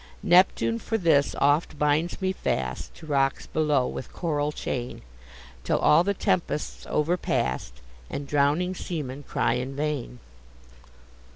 Neptune for this oft binds me fast To rocks below, with coral chain, Till all the tempest's over past, And drowning seamen cry in vain.